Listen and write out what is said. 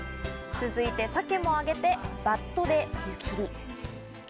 続いてサケも上げて、バットで油切り。